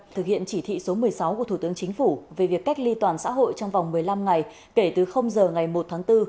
thực hiện chỉ thị số một mươi sáu của thủ tướng chính phủ về việc cách ly toàn xã hội trong vòng một mươi năm ngày kể từ giờ ngày một tháng bốn